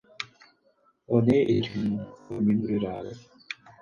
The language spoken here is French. Onhaye est une commune rurale.